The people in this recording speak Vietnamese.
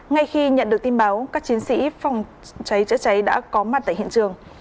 ngay khi nhận được tin báo các chiến sĩ phòng cháy chữa cháy đã có mặt tại hiện trường